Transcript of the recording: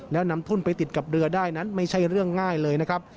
แล้วนำทุ่นไปติดกับเรือได้นั้นไม่ใช่เรื่องง่ายเลยนะครับ